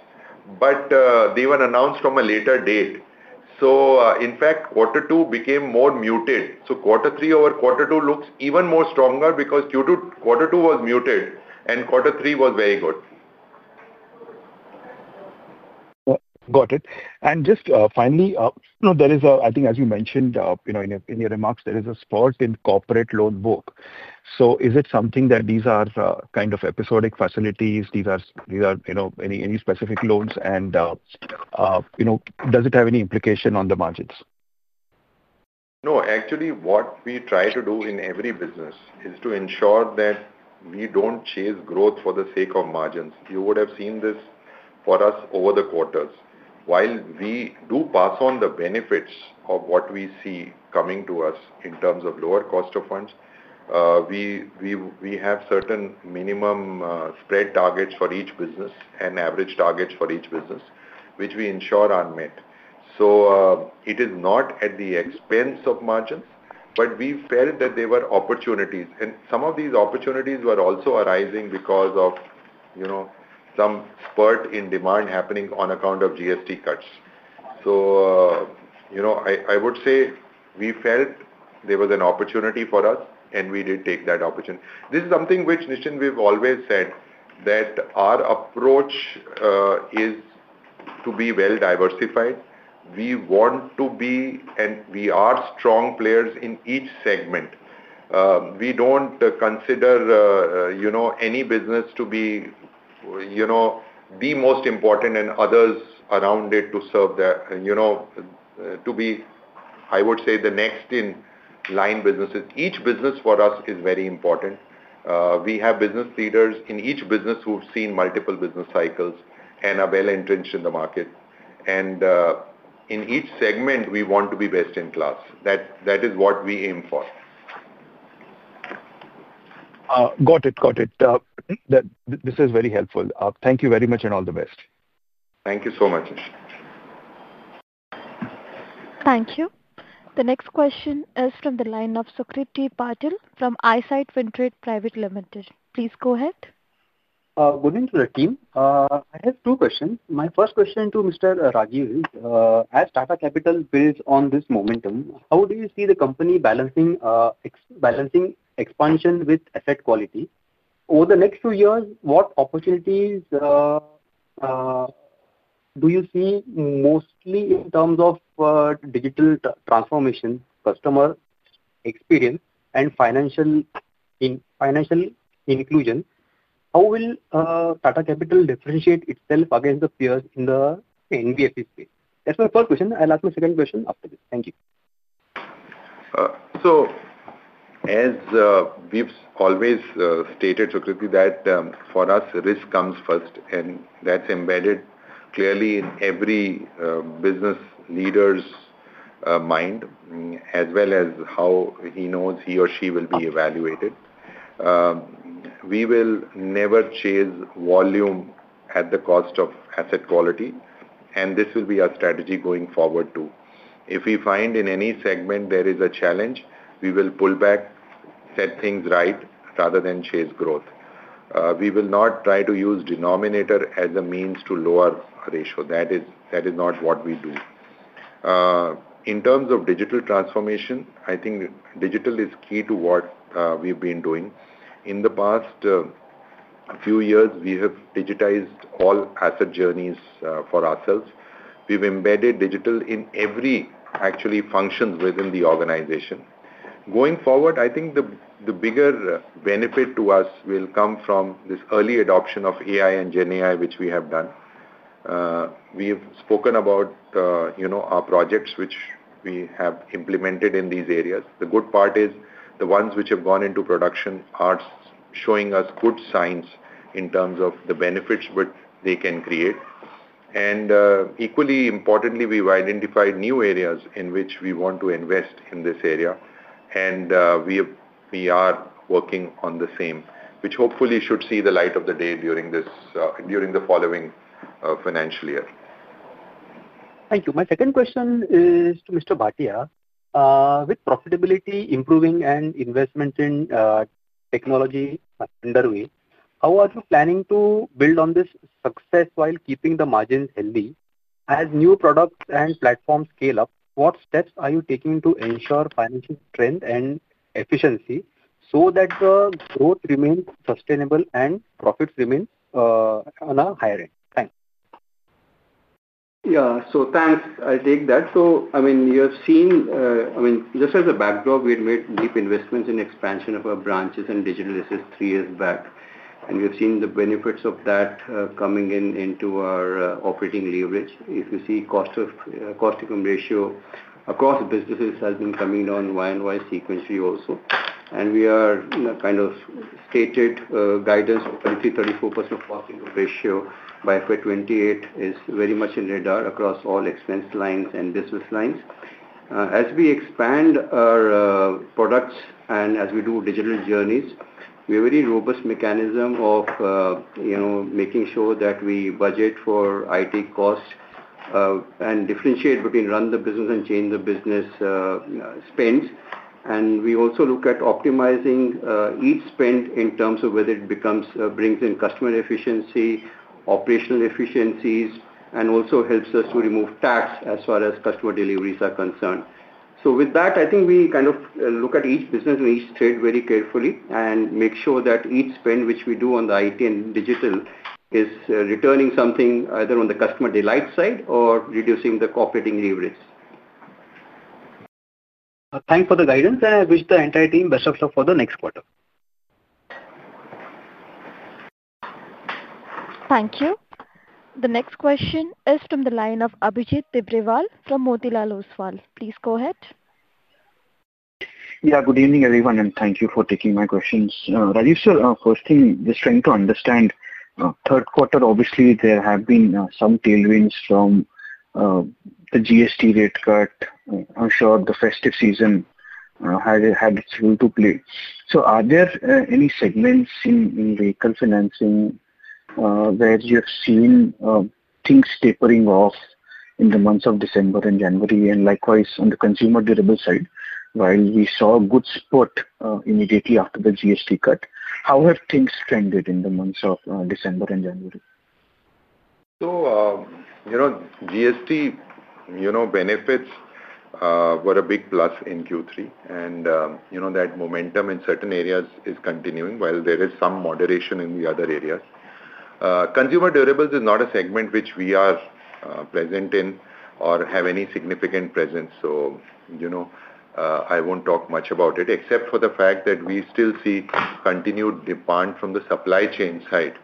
but they were announced from a later date. So in fact, quarter two became more muted. So quarter three over quarter two looks even more stronger because Q2 was muted and Q3 was very good. Got it. And just finally, there is a, I think, as you mentioned in your remarks, there is a spurt in corporate loan book. So is it something that these are kind of episodic facilities? These are any specific loans, and does it have any implication on the margins? No, actually, what we try to do in every business is to ensure that we don't chase growth for the sake of margins. You would have seen this for us over the quarters. While we do pass on the benefits of what we see coming to us in terms of lower cost of funds, we have certain minimum spread targets for each business and average targets for each business, which we ensure are met. So it is not at the expense of margins, but we felt that there were opportunities. And some of these opportunities were also arising because of some spurt in demand happening on account of GST cuts. So I would say we felt there was an opportunity for us, and we did take that opportunity. This is something which Nischint, we've always said that our approach is to be well-diversified. We want to be, and we are strong players in each segment. We don't consider any business to be the most important and others around it to serve that, to be, I would say, the next-in-line businesses. Each business for us is very important. We have business leaders in each business who've seen multiple business cycles and are well-entrenched in the market. And in each segment, we want to be best in class. That is what we aim for. Got it. Got it. This is very helpful. Thank you very much and all the best. Thank you so much. Thank you. The next question is from the line of Sucrit Patil from Eyesight Fintrade Private Limited. Please go ahead. Good evening to the team. I have two questions. My first question to Mr. Rajiv is, as Tata Capital builds on this momentum, how do you see the company balancing expansion with asset quality? Over the next two years, what opportunities do you see mostly in terms of digital transformation, customer experience, and financial inclusion? How will Tata Capital differentiate itself against the peers in the NBFC space? That's my first question. I'll ask my second question after this. Thank you. So as we've always stated, Sucrit, that for us, risk comes first, and that's embedded clearly in every business leader's mind, as well as how he knows he or she will be evaluated. We will never chase volume at the cost of asset quality, and this will be our strategy going forward too. If we find in any segment there is a challenge, we will pull back, set things right, rather than chase growth. We will not try to use denominator as a means to lower ratio. That is not what we do. In terms of digital transformation, I think digital is key to what we've been doing. In the past few years, we have digitized all asset journeys for ourselves. We've embedded digital in every, actually, functions within the organization. Going forward, I think the bigger benefit to us will come from this early adoption of AI and GenAI, which we have done. We have spoken about our projects which we have implemented in these areas. The good part is the ones which have gone into production are showing us good signs in terms of the benefits which they can create, and equally importantly, we've identified new areas in which we want to invest in this area, and we are working on the same, which hopefully should see the light of the day during the following financial year. Thank you. My second question is to Mr. Bhatia. With profitability improving and investment in technology underway, how are you planning to build on this success while keeping the margins healthy? As new products and platforms scale up, what steps are you taking to ensure financial strength and efficiency so that the growth remains sustainable and profits remain on a higher end? Thanks. Yeah, so thanks. I'll take that. So I mean, you have seen, I mean, just as a backdrop, we had made deep investments in expansion of our branches and digital assets three years back, and we have seen the benefits of that coming into our operating leverage. If you see, cost-to-income ratio across businesses has been coming down Y-on-Y sequentially also. And we have stated guidance of 23%-34% cost-to-income ratio, bypassing 28% is very much on the radar across all expense lines and business lines. As we expand our products and as we do digital journeys, we have a very robust mechanism of making sure that we budget for IT costs and differentiate between run the business and change the business spends. And we also look at optimizing each spend in terms of whether it brings in customer efficiency, operational efficiencies, and also helps us to reduce TAT as far as customer deliveries are concerned. So with that, I think we kind of look at each business and each trade very carefully and make sure that each spend which we do on the IT and digital is returning something either on the customer delight side or reducing the operating leverage. Thanks for the guidance, and I wish the entire team best of luck for the next quarter. Thank you. The next question is from the line of Abhijit Tibrewal from Motilal Oswal. Please go ahead. Yeah. Good evening, everyone, and thank you for taking my questions. Rajiv sir, first thing, just trying to understand, third quarter, obviously, there have been some tailwinds from the GST rate cut. I'm sure the festive season had its role to play. So are there any segments in vehicle financing where you have seen things tapering off in the months of December and January, and likewise on the consumer durable side, while we saw good spurt immediately after the GST cut? How have things trended in the months of December and January? So GST benefits were a big plus in Q3, and that momentum in certain areas is continuing, while there is some moderation in the other areas. Consumer durables is not a segment which we are present in or have any significant presence, so I won't talk much about it, except for the fact that we still see continued demand from the supply chain side.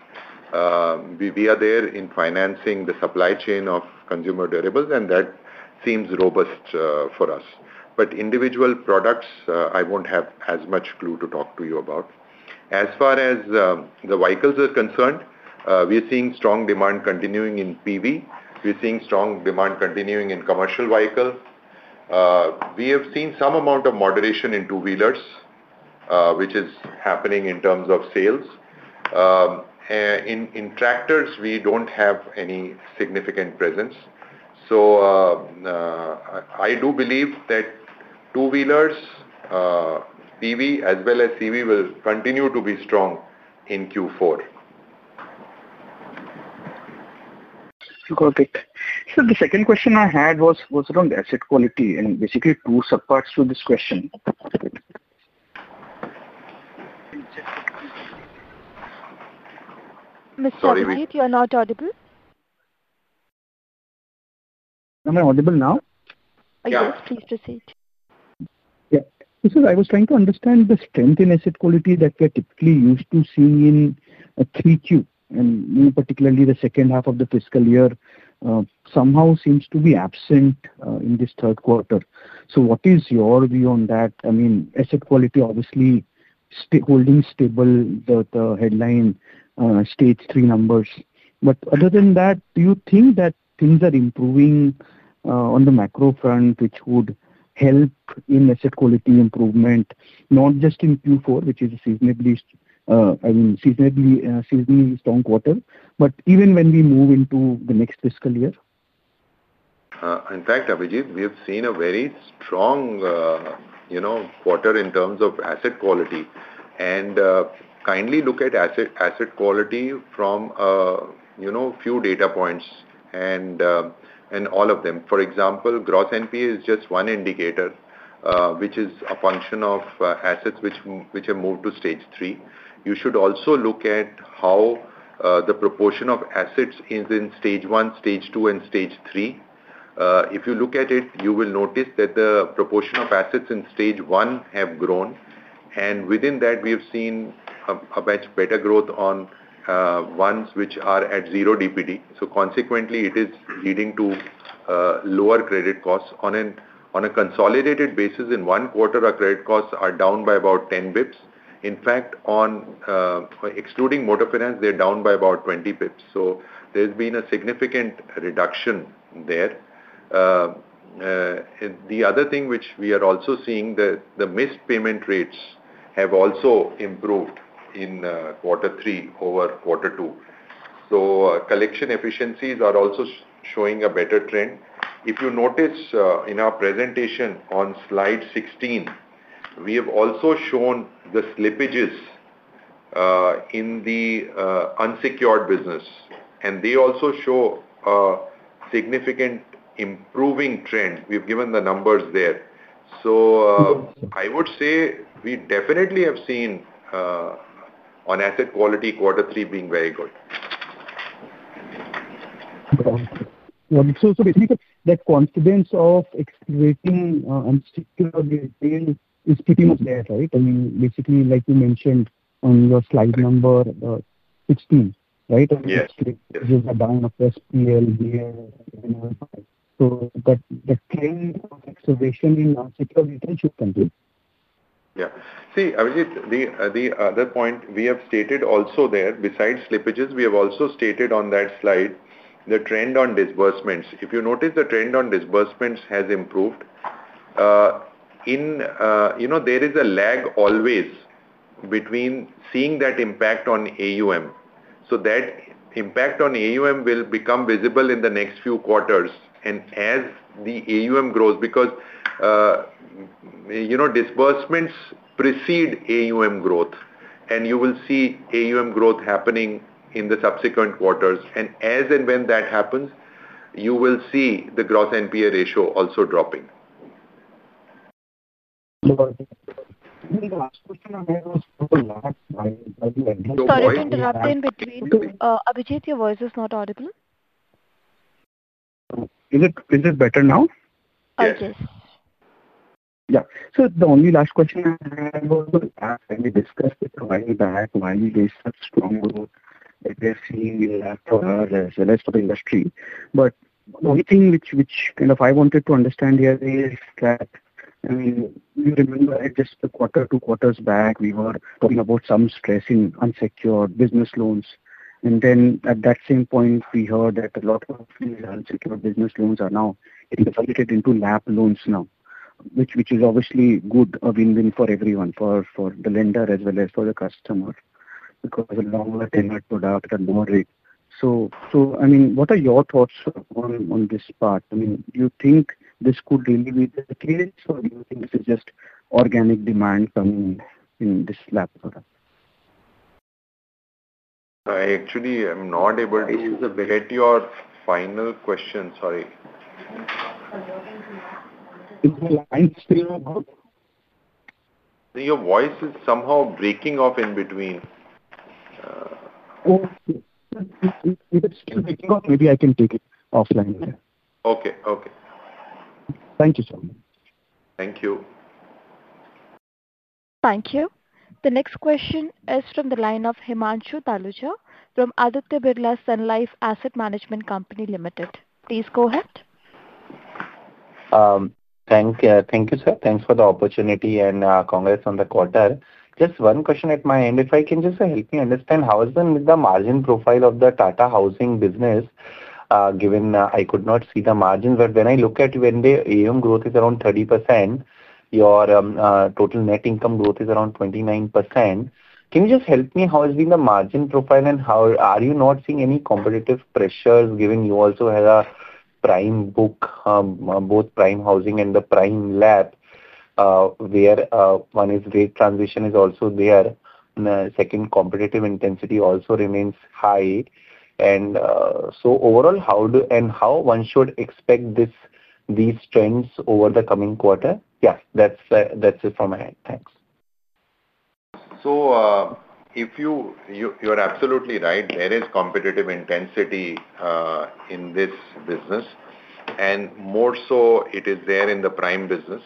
We are there in financing the supply chain of consumer durables, and that seems robust for us. But individual products, I won't have as much clue to talk to you about. As far as the vehicles are concerned, we are seeing strong demand continuing in PV. We are seeing strong demand continuing in commercial vehicles. We have seen some amount of moderation in two-wheelers, which is happening in terms of sales. In tractors, we don't have any significant presence. So I do believe that two-wheelers, PV, as well as CV, will continue to be strong in Q4. Got it. So the second question I had was around asset quality, and basically, two subparts to this question. Mr. Abhijit, you are not audible. Am I audible now? Yes. Please proceed. Yeah. So I was trying to understand the strength in asset quality that we are typically used to seeing in 3Q, and particularly the second half of the fiscal year, somehow seems to be absent in this third quarter. So what is your view on that? I mean, asset quality, obviously, holding stable the headline Stage 3 numbers. But other than that, do you think that things are improving on the macro front, which would help in asset quality improvement, not just in Q4, which is a seasonally strong quarter, but even when we move into the next fiscal year? In fact, Abhijit, we have seen a very strong quarter in terms of asset quality. And kindly look at asset quality from a few data points and all of them. For example, gross NPA is just one indicator, which is a function of assets which have moved to Stage 3. You should also look at how the proportion of assets is in Stage 1, Stage 2, and Stage 3. If you look at it, you will notice that the proportion of assets in Stage 1 have grown, and within that, we have seen a much better growth on ones which are at zero DPD, so consequently, it is leading to lower credit costs. On a consolidated basis, in one quarter, our credit costs are down by about 10 basis points. In fact, excluding Motor Finance, they're down by about 20 basis points, so there's been a significant reduction there. The other thing which we are also seeing, the missed payment rates have also improved in quarter three over quarter two, so collection efficiencies are also showing a better trend. If you notice in our presentation on slide 16, we have also shown the slippages in the unsecured business, and they also show a significant improving trend. We've given the numbers there. So I would say we definitely have seen on asset quality, quarter three being very good. So basically, that confidence of accelerating unsecured retail is pretty much there, right? I mean, basically, like you mentioned on your slide number 16, right? Yes. There's a down of SPL, *audio distortion* NPA. So the trend of acceleration in unsecured retail should continue. Yeah. See, Abhijit, the other point we have stated also there, besides slippages, we have also stated on that slide the trend on disbursements. If you notice, the trend on disbursements has improved. There is a lag always between seeing that impact on AUM. So that impact on AUM will become visible in the next few quarters as the AUM grows, because disbursements precede AUM growth, and you will see AUM growth happening in the subsequent quarters. As and when that happens, you will see the gross NPA ratio also dropping. Sorry to interrupt in between. Abhijit, your voice is not audible. Is it better now? Yes. Yeah. The only last question I have was, *audio distortion* as we discussed a while back, why is such strong growth that we are seeing in the rest of the industry? The only thing which kind of I wanted to understand here is that, I mean, you remember just a quarter or two quarters back, we were talking about some stress in unsecured business loans. And then at that same point, we heard that a lot of unsecured business loans are now getting converted into lap loans now, which is obviously good, a win-win for everyone, for the lender as well as for the customer, because the longer-term product, the more. *audio distortion* So I mean, what are your thoughts on this part? I mean, do you think this could really be the case, or do you think this is just organic demand coming in this LAP product? I actually am not able to get your final question. Sorry. Is the line still on? Your voice is somehow breaking off in between. Oh, it's still breaking off. Maybe I can take it offline there. Okay. Okay. Thank you so much. Thank you. Thank you. The next question is from the line of Himanshu Taluja from Aditya Birla Sun Life Asset Management Company Limited. Please go ahead. Thank you, sir. Thanks for the opportunity and congrats on the quarter. Just one question at my end. If I can just help you understand, how has the margin profile of the Tata Housing business, given I could not see the margins, but when I look at when the AUM growth is around 30%, your total net income growth is around 29%, can you just help me how has been the margin profile and how are you not seeing any competitive pressures, given you also have a prime book, both prime housing and the prime LAP, where one is rate transition is also there, and second, competitive intensity also remains high? And so overall, how one should expect these trends over the coming quarter? Yeah, that's it from my end. Thanks. So you're absolutely right. There is competitive intensity in this business, and more so, it is there in the prime business.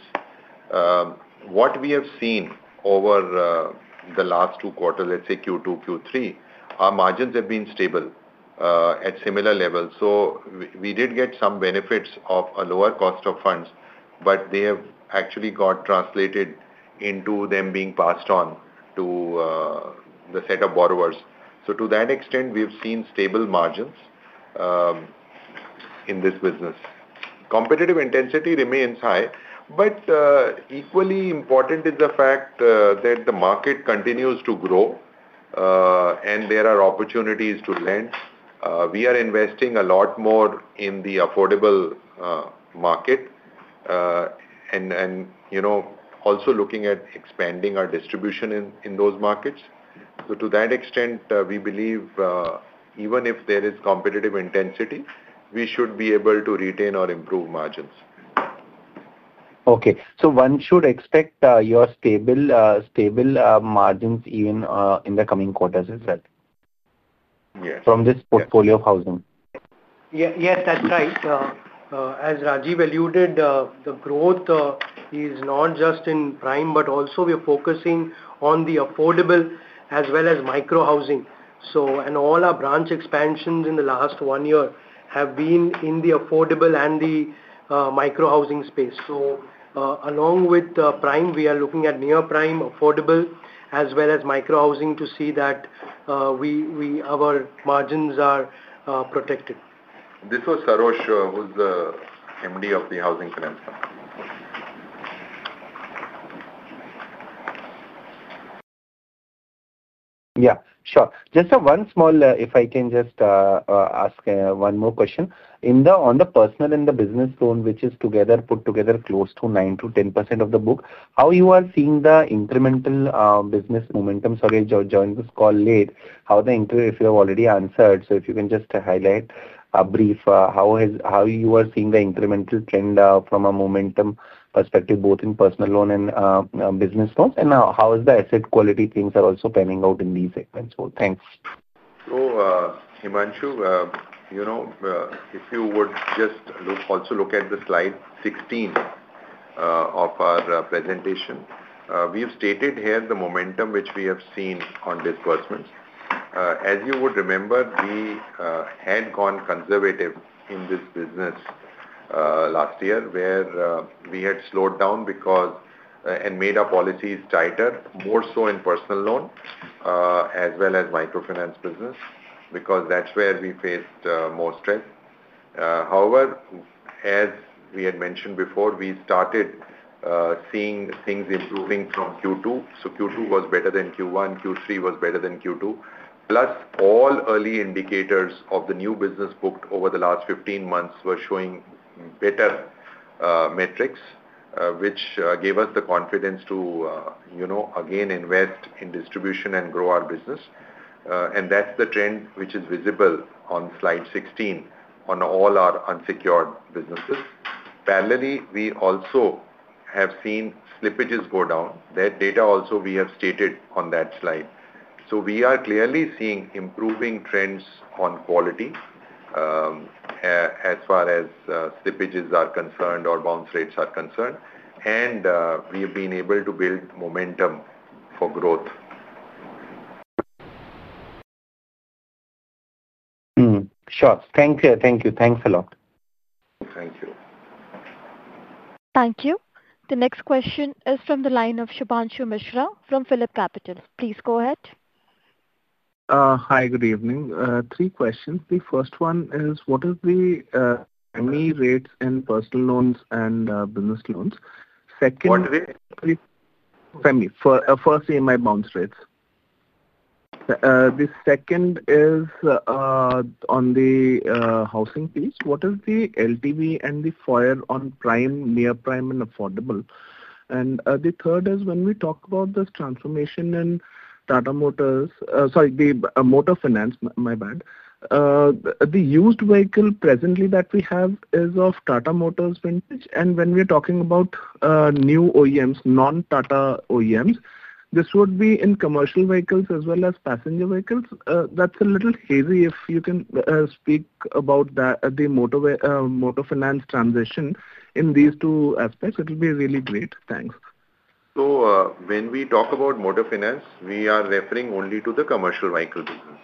What we have seen over the last two quarters, let's say Q2, Q3, our margins have been stable at similar levels. So we did get some benefits of a lower cost of funds, but they have actually got translated into them being passed on to the set of borrowers. So to that extent, we have seen stable margins in this business. Competitive intensity remains high, but equally important is the fact that the market continues to grow, and there are opportunities to lend. We are investing a lot more in the affordable market and also looking at expanding our distribution in those markets. So to that extent, we believe even if there is competitive intensity, we should be able to retain or improve margins. Okay. So one should expect your stable margins even in the coming quarters as well from this portfolio of housing. Yes, that's right. As Rajiv alluded, the growth is not just in prime, but also we are focusing on the affordable as well as micro housing. And all our branch expansions in the last one year have been in the affordable and the micro housing space. So along with prime, we are looking at near prime, affordable, as well as micro housing to see that our margins are protected. This was Sarosh, who's the MD of the Housing Finance. Yeah. Sure. Just one small, if I can just ask one more question. On the personal and the business loan, which is put together close to 9%-10% of the book, how you are seeing the incremental business momentum? Sorry, I joined this call late. If you have already answered, so if you can just highlight brief how you are seeing the incremental trend from a momentum perspective, both in personal loan and business loans, and how is the asset quality things are also panning out in these segments? So thanks. So Himanshu, if you would just also look at the slide 16 of our presentation, we have stated here the momentum which we have seen on disbursements. As you would remember, we had gone conservative in this business last year, where we had slowed down and made our policies tighter, more so in personal loan as well as microfinance business, because that's where we faced more stress. However, as we had mentioned before, we started seeing things improving from Q2. So Q2 was better than Q1. Q3 was better than Q2. Plus, all early indicators of the new business booked over the last 15 months were showing better metrics, which gave us the confidence to, again, invest in distribution and grow our business. And that's the trend which is visible on slide 16 on all our unsecured businesses. Parallelly, we also have seen slippages go down. That data also we have stated on that slide. So we are clearly seeing improving trends on quality as far as slippages are concerned or bounce rates are concerned, and we have been able to build momentum for growth. Sure. Thank you. Thank you. Thanks a lot. Thank you. Thank you. The next question is from the line of Shubhranshu Mishra from PhillipCapital. Please go ahead. Hi. Good evening. Three questions. The first one is, what are the EMI rates in personal loans and business loans? Second. What rate? First, EMI bounce rates. The second is on the housing piece. What is the LTV and the folio on prime, near prime, and affordable? And the third is when we talk about the transformation in Tata Motors, sorry, the Motor Finance, my bad. The used vehicle presently that we have is of Tata Motors vintage. And when we're talking about new OEMs, non-Tata OEMs, this would be in commercial vehicles as well as passenger vehicles. That's a little hazy if you can speak about the Motor Finance transition in these two aspects. It will be really great. Thanks. So when we talk about Motor Finance, we are referring only to the commercial vehicle business.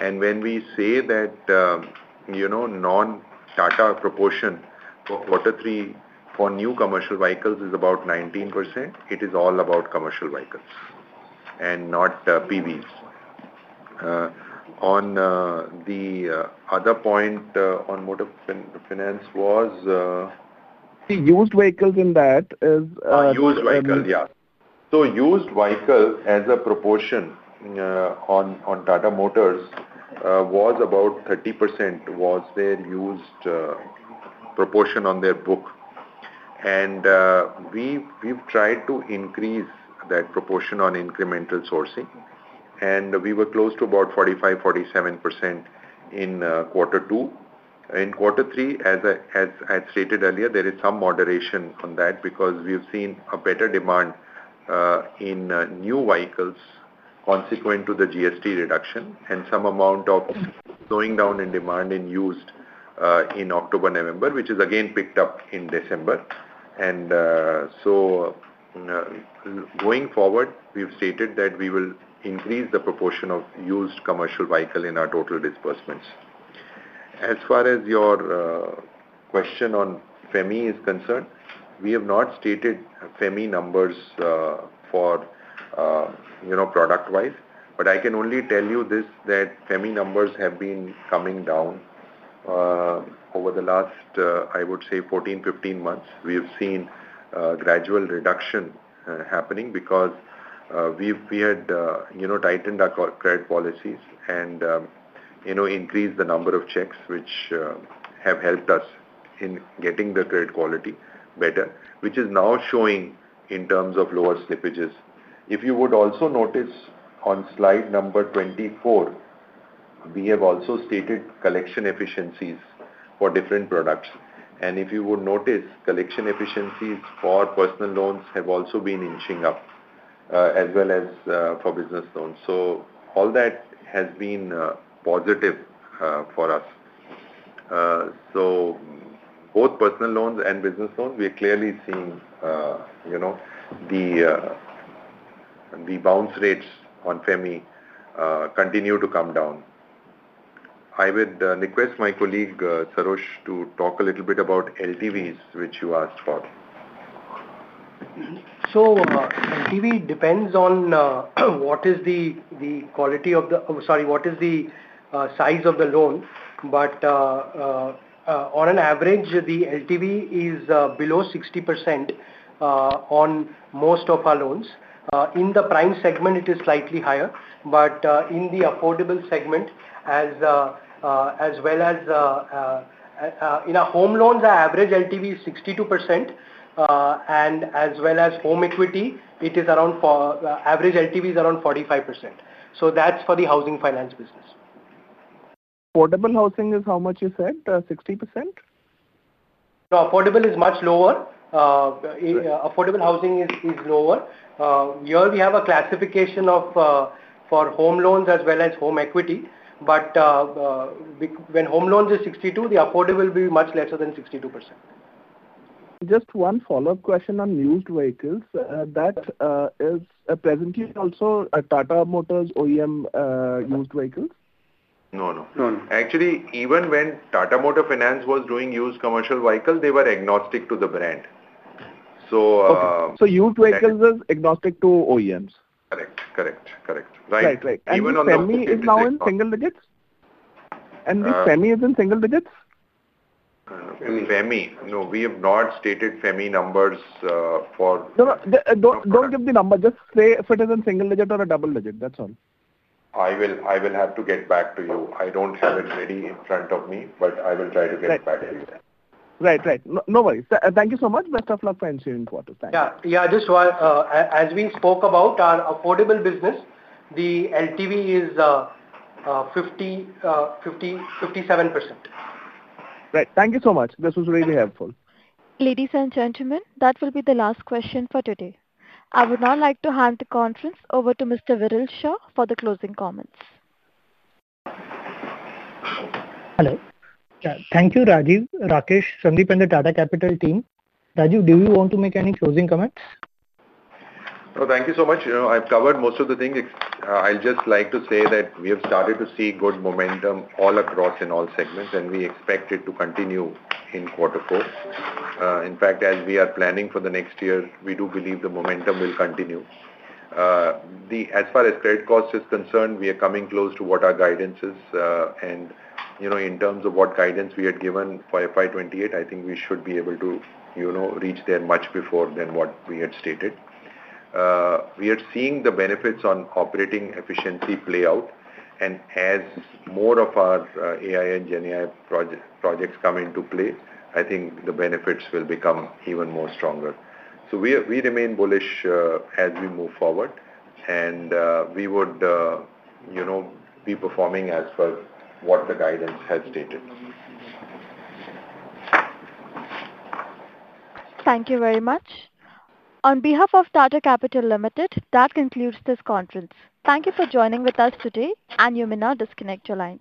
And when we say that non-Tata proportion for quarter three for new commercial vehicles is about 19%, it is all about commercial vehicles and not PVs. On the other point on Motor Finance was. The used vehicles in that is. Used vehicles, yeah. So used vehicles as a proportion on Tata Motors was about 30% their used proportion on their book. And we've tried to increase that proportion on incremental sourcing, and we were close to about 45%-47% in quarter two. In quarter three, as I stated earlier, there is some moderation on that because we have seen a better demand in new vehicles consequent to the GST reduction and some amount of going down in demand in used in October, November, which is again picked up in December. And so going forward, we have stated that we will increase the proportion of used commercial vehicle in our total disbursements. As far as your question on FEMI is concerned, we have not stated FEMI numbers for product-wise, but I can only tell you this that FEMI numbers have been coming down over the last, I would say, 14, 15 months. We have seen a gradual reduction happening because we had tightened our credit policies and increased the number of checks, which have helped us in getting the credit quality better, which is now showing in terms of lower slippages. If you would also notice on slide number 24, we have also stated collection efficiencies for different products. And if you would notice, collection efficiencies for personal loans have also been inching up as well as for business loans. So all that has been positive for us. So both personal loans and business loans, we're clearly seeing the bounce rates on FEMI continue to come down. I would request my colleague, Sarosh, to talk a little bit about LTVs, which you asked for. So LTV depends on what is the quality of the sorry, what is the size of the loan. But on an average, the LTV is below 60% on most of our loans. In the prime segment, it is slightly higher, but in the affordable segment, as well as in our home loans, our average LTV is 62%. And as well as home equity, it is around average LTV is around 45%. So that's for the housing finance business. Affordable housing is how much you said? 60%? Affordable is much lower. Affordable housing is lower. Here we have a classification for home loans as well as home equity. But when home loans is 62%, the affordable will be much lesser than 62%. Just one follow-up question on used vehicles. That is presently also a Tata Motors OEM used vehicles? No, no. No, no. Actually, even when Tata Motor Finance was doing used commercial vehicles, they were agnostic to the brand. So. Okay. So used vehicles are agnostic to OEMs? Correct. Correct. Correct. Right. Right. Right. And FEMI is now in single digits? And the FEMI is in single digits? FEMI? No, we have not stated FEMI numbers for. Don't give the number. Just say if it is in single digit or a double digit. That's all. I will have to get back to you. I don't have it ready in front of me, but I will try to get back to you. Right. Right. Right. No worries. Thank you so much. Best of luck for ensuing quarters. Thanks. Yeah. Yeah. Just as we spoke about our affordable business, the LTV is 57%. Right. Thank you so much. This was really helpful. Ladies and gentlemen, that will be the last question for today. I would now like to hand the conference over to Mr. Viral Shah for the closing comments. Hello. Thank you, Rajiv, Rakesh, Sandeep, and the Tata Capital team. Rajiv, do you want to make any closing comments? No, thank you so much. I've covered most of the things. I'll just like to say that we have started to see good momentum all across in all segments, and we expect it to continue in quarter four. In fact, as we are planning for the next year, we do believe the momentum will continue. As far as credit costs are concerned, we are coming close to what our guidance is. And in terms of what guidance we had given for FY 2028, I think we should be able to reach there much before than what we had stated. We are seeing the benefits on operating efficiency play out, and as more of our AI and GenAI projects come into play, I think the benefits will become even more stronger. So we remain bullish as we move forward, and we would be performing as per what the guidance has stated. Thank you very much. On behalf of Tata Capital Limited, that concludes this conference. Thank you for joining with us today, and you may now disconnect your line.